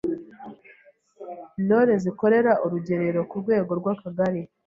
Intore zikorera urugerero ku rwego rw’Akagari